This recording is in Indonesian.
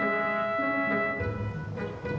ke wilayah semuanya itu mas